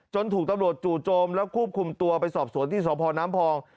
ถูกตำรวจจู่โจมแล้วควบคุมตัวไปสอบสวนที่สพน้ำพอง